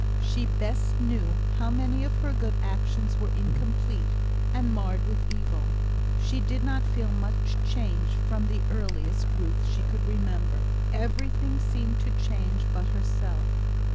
She best knew how many of her good actions were incomplete, and marred with evil. She did not feel much changed from the earliest Ruth she could remember. Everything seemed to change but herself.